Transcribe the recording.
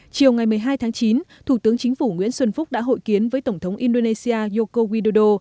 chiều ngày một mươi hai tháng chín thủ tướng chính phủ nguyễn xuân phúc đã hội kiến với tổng thống indonesia yoko widodo